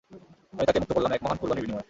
আমি তাকে মুক্ত করলাম এক মহান কুরবানীর বিনিময়ে।